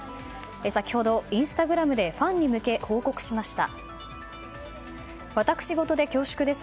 先ほど、インスタグラムでファンに向け報告しました。